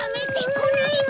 こないで！